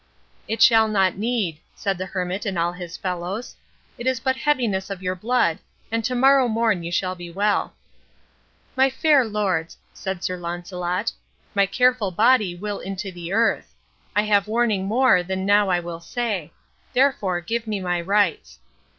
"It shall not need," said the hermit and all his fellows; "it is but heaviness of your blood, and to morrow morn you shall be well" "My fair lords," said Sir Launcelot, "my careful body will into the earth; I have warning more than now I will say; therefore give me my rights."